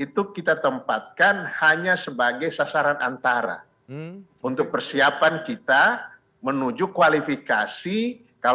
itu kita tempatkan hanya sebagai sasaran antara untuk persiapan kita menuju kualifikasi kalau